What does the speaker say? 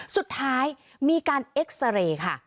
สุดท้ายมีการเอ็กซาเรย์ค่ะ